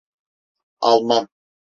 Alman.